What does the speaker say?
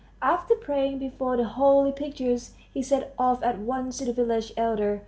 After praying before the holy pictures, he set off at once to the village elder.